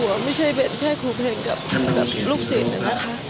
หัวไม่ใช่เบ็ดแค่ครูเพลงกับลูกศิลป์หนึ่งนะคะ